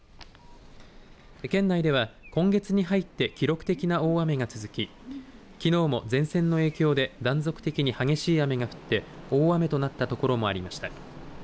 県内では今月に入って記録的な大雨が続ききのうも前線の影響で断続的に激しい雨が降って大雨となった所もありました。